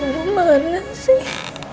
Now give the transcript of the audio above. mama mana sih